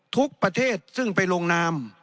ทุกประเทศซึ่งไปลงนาม